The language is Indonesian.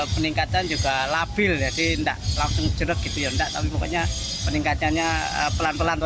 peningkatan juga labil jadi enggak langsung jelek gitu ya enggak tapi pokoknya peningkatannya pelan pelan